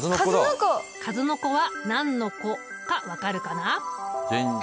数の子は何の子か分かるかな？